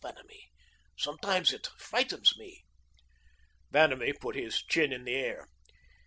Vanamee, sometimes it frightens me." Vanamee put his chin in the air.